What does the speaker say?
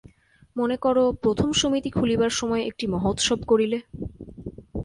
মনে কর, প্রথম সমিতি খুলিবার সময় একটি মহোৎসব করিলে।